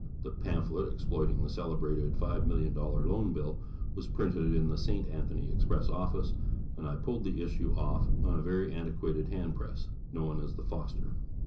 The pamphlet exploiting the celebrated "Five Million Dollar Loan Bill," was printed in the "St. Anthony Express" office and I pulled the issue off on a very antiquated hand press, known as the "Foster".